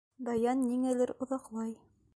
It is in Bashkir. Даян ниңәлер оҙаҡлай.